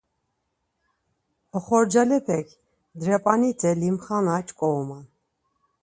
Oxorcalepek drep̆anite limxana ç̌ǩoruman.